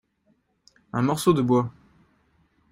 Un morceau de bois.